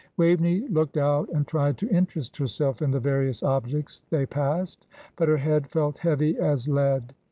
Waveney looked out and tried to interest herself in the various objects they passed; but her head felt heavy as lead.